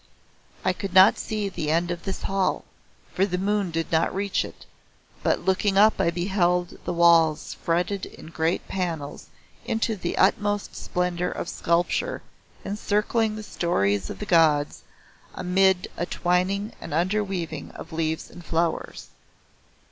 I could not see the end of this hall for the moon did not reach it, but looking up I beheld the walls fretted in great panels into the utmost splendour of sculpture, encircling the stories of the Gods amid a twining and under weaving of leaves and flowers.